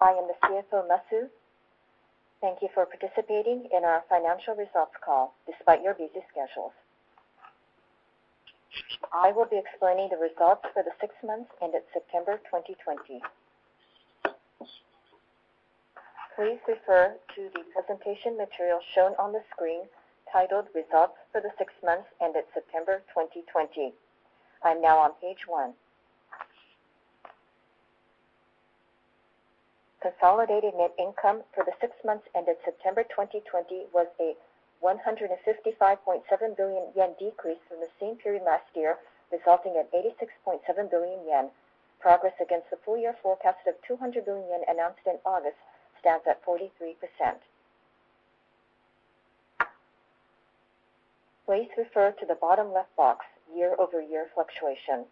I am the CFO, Masu. Thank you for participating in our financial results call despite your busy schedules. I will be explaining the results for the six months ended September 2020. Please refer to the presentation material shown on the screen titled Results for the six months ended September 2020. I'm now on page one. Consolidated net income for the six months ended September 2020 was a 155.7 billion yen decrease from the same period last year, resulting in 86.7 billion yen. Progress against the full year forecast of 200 billion yen announced in August stands at 43%. Please refer to the bottom left box, year-over-year fluctuation.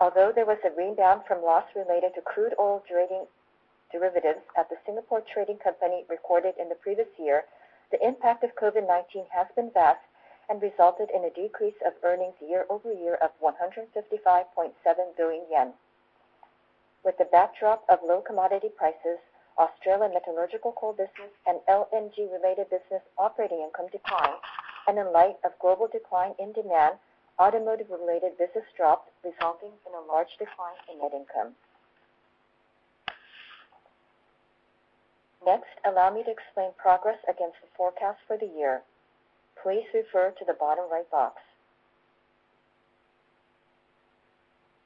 Although there was a rebound from loss related to crude oil derivatives at the Singapore trading company recorded in the previous year, the impact of COVID-19 has been vast and resulted in a decrease of earnings year-over-year of 155.7 billion yen. With the backdrop of low commodity prices, Australian metallurgical coal business, and LNG-related business operating income declined. In light of global decline in demand, automotive-related business dropped, resulting in a large decline in net income. Next, allow me to explain progress against the forecast for the year. Please refer to the bottom right box.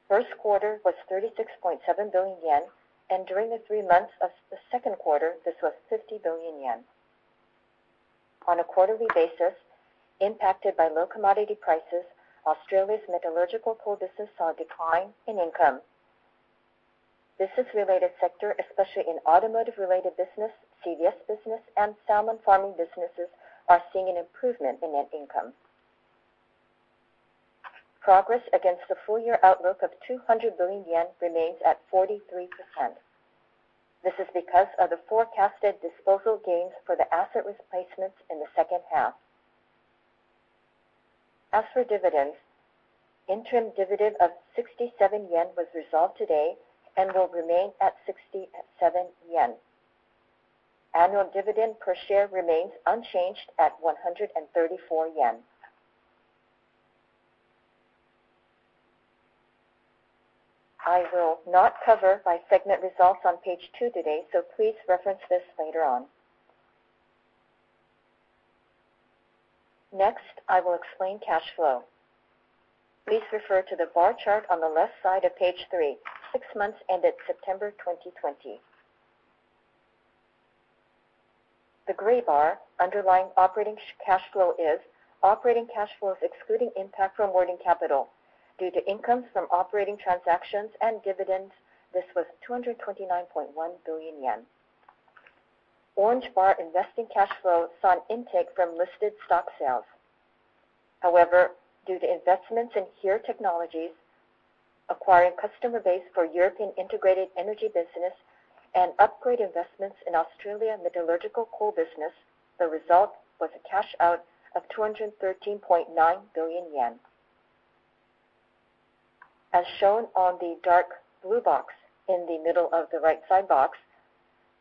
First quarter was 36.7 billion yen. During the three months of the second quarter, this was 50 billion yen. On a quarterly basis, impacted by low commodity prices, Australia's metallurgical coal business saw a decline in income. Business-related sector, especially in automotive-related business, CVS business, and salmon farming businesses, are seeing an improvement in net income. Progress against the full year outlook of 200 billion yen remains at 43%. This is because of the forecasted disposal gains for the asset replacements in the second half. As for dividends, interim dividend of 67 yen was resolved today and will remain at 67 yen. Annual dividend per share remains unchanged at 134 yen. I will not cover by segment results on page two today, so please reference this later on. Next, I will explain cash flow. Please refer to the bar chart on the left side of page three, six months ended September 2020. The gray bar, underlying operating cash flow, is operating cash flows excluding impact from working capital. Due to incomes from operating transactions and dividends, this was 229.1 billion yen. Orange bar, investing cash flow, saw an intake from listed stock sales. However, due to investments in HERE Technologies, acquiring customer base for European integrated energy business, and upgrade investments in Australia metallurgical coal business, the result was a cash-out of 213.9 billion yen. As shown on the dark blue box in the middle of the right-side box,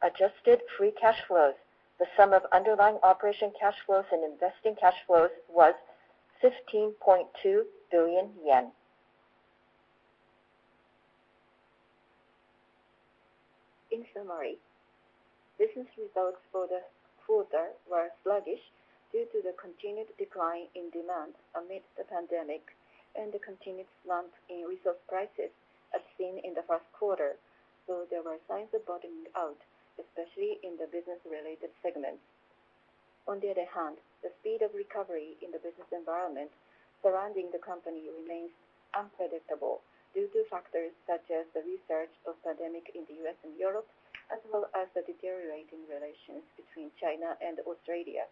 adjusted free cash flows, the sum of underlying operating cash flows and investing cash flows was 15.2 billion yen. In summary, business results for the quarter were sluggish due to the continued decline in demand amid the pandemic and the continued slump in resource prices as seen in the first quarter, though there were signs of bottoming out, especially in the business-related segments. The speed of recovery in the business environment surrounding the company remains unpredictable due to factors such as the resurge of pandemic in the U.S. and Europe, as well as the deteriorating relations between China and Australia.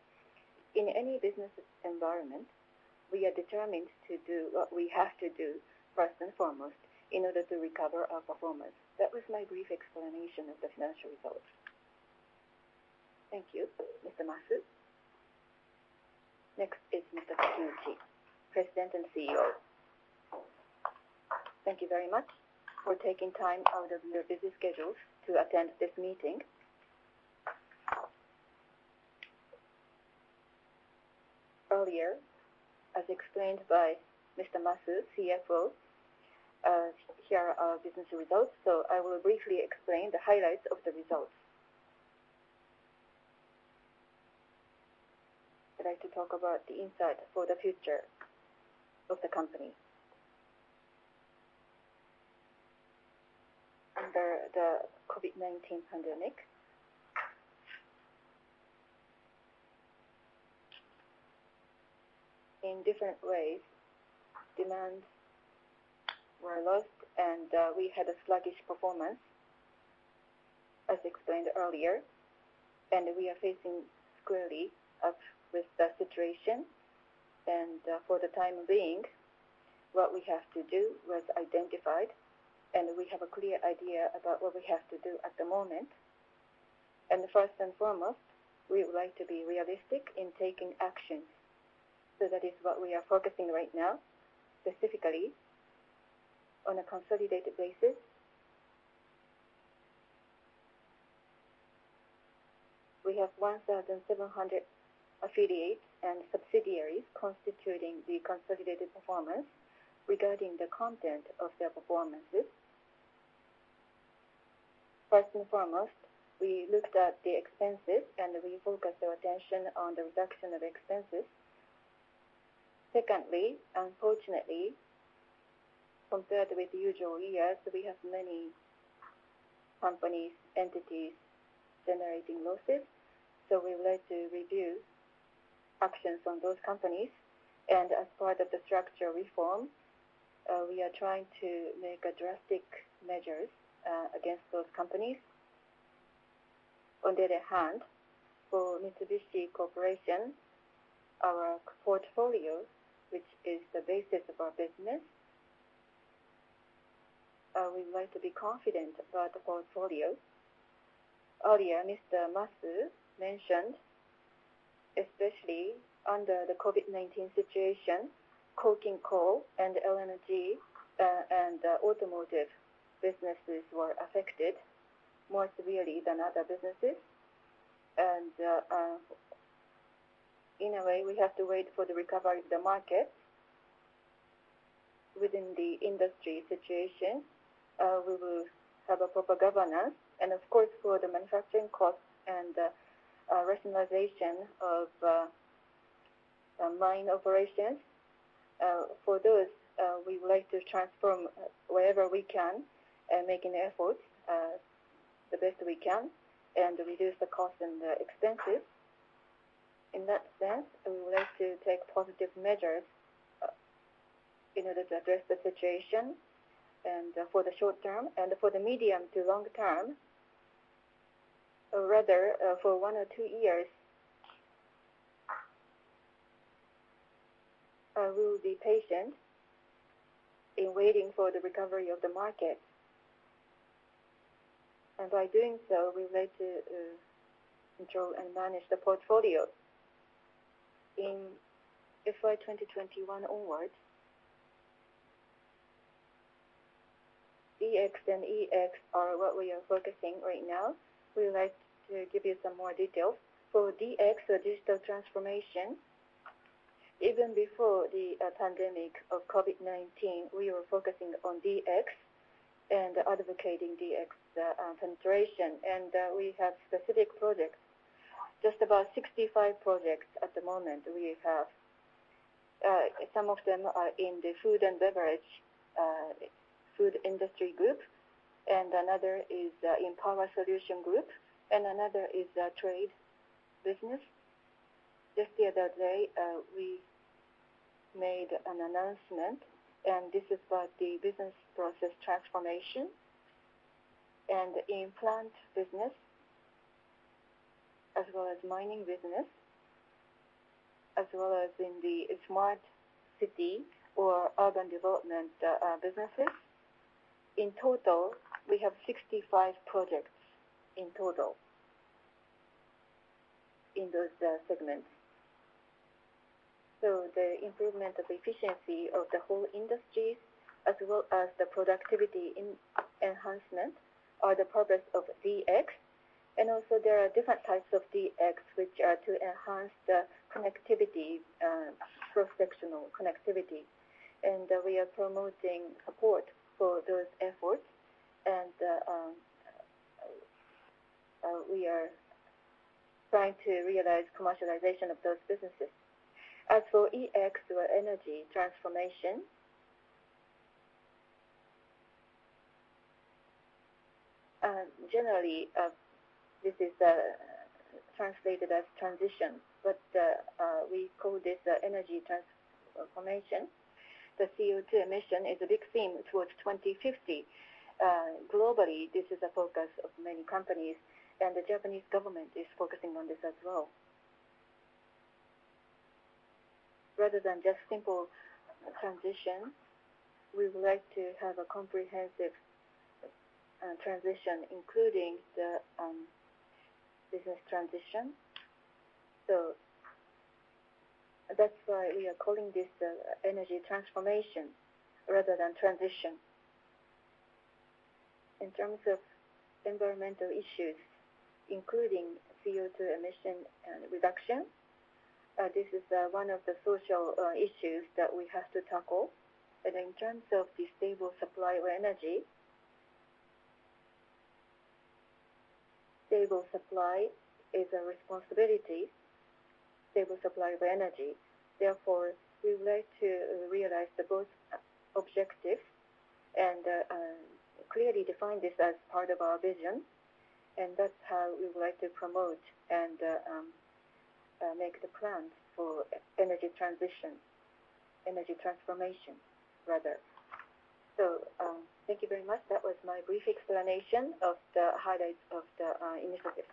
In any business environment, we are determined to do what we have to do first and foremost in order to recover our performance. That was my brief explanation of the financial results. Thank you, Mr. Masu. Next is Mr. Kakiuchi, President and CEO. Thank you very much for taking time out of your busy schedules to attend this meeting. Earlier, as explained by Mr. Masu, CFO, here are our business results. I will briefly explain the highlights of the results. I'd like to talk about the insight for the future of the company. Under the COVID-19 pandemic, in different ways, demands were lost and we had a sluggish performance, as explained earlier, and we are facing squarely up with the situation. For the time being, what we have to do was identified, and we have a clear idea about what we have to do at the moment. First and foremost, we would like to be realistic in taking action. That is what we are focusing right now, specifically on a consolidated basis. We have 1,700 affiliates and subsidiaries constituting the consolidated performance. Regarding the content of their performances, first and foremost, we looked at the expenses, and we focused our attention on the reduction of expenses. Secondly, unfortunately, compared with usual years, we have many company entities generating losses. We would like to reduce actions on those companies, and as part of the structure reform, we are trying to make drastic measures against those companies. On the other hand, for Mitsubishi Corporation, our portfolio, which is the basis of our business, we would like to be confident about the portfolio. Earlier, Mr. Masu mentioned, especially under the COVID-19 situation, coking coal and LNG, and automotive businesses were affected more severely than other businesses. In a way, we have to wait for the recovery of the market. Within the industry situation, we will have a proper governance, and of course, for the manufacturing costs and rationalization of mine operations, for those, we would like to transform wherever we can and making efforts the best we can and reduce the cost and the expenses. In that sense, we would like to take positive measures in order to address the situation and for the short term. For the medium to long term, or rather, for one or two years, we will be patient in waiting for the recovery of the market. By doing so, we would like to control and manage the portfolio. In FY2021 onwards, DX and EX are what we are focusing right now. We would like to give you some more details. For DX, or digital transformation, even before the pandemic of COVID-19, we were focusing on DX and advocating DX penetration. We have specific projects, just about 65 projects at the moment we have. Some of them are in the food and beverage Food Industry Group. Another is in Power Solution Group. Another is the trade business. Just the other day, we made an announcement. This is about the business process transformation and in-plant business, as well as mining business, as well as in the smart city or urban development businesses. In total, we have 65 projects in those segments. The improvement of efficiency of the whole industries as well as the productivity enhancement are the purpose of DX. Also, there are different types of DX, which are to enhance the cross-sectional connectivity. We are promoting support for those efforts. We are trying to realize commercialization of those businesses. As for EX, or energy transformation, generally, this is translated as transition, but we call this energy transformation. The CO2 emission is a big theme towards 2050. Globally, this is a focus of many companies, and the Japanese government is focusing on this as well. Rather than just simple transition, we would like to have a comprehensive transition, including the business transition. That's why we are calling this energy transformation rather than transition. In terms of environmental issues, including CO2 emission reduction, this is one of the social issues that we have to tackle. In terms of the stable supply of energy, stable supply is a responsibility, stable supply of energy. Therefore, we would like to realize both objectives and clearly define this as part of our vision. That's how we would like to promote and make the plans for energy transition, energy transformation, rather. Thank you very much. That was my brief explanation of the highlights of the initiatives.